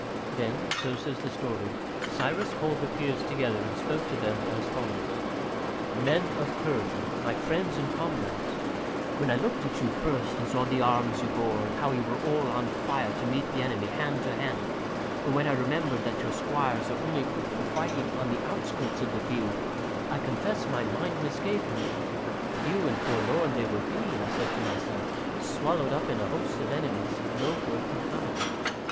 Then, so says the story, Cyrus called the Peers together and spoke to them as follows: "Men of Persia, my friends and comrades, when I looked at you first and saw the arms you bore and how you were all on fire to meet the enemy, hand to hand, and when I remembered that your squires are only equipped for fighting on the outskirts of the field, I confess my mind misgave me. Few and forlorn they will be, I said to myself, swallowed up in a host of enemies; no good can come of it.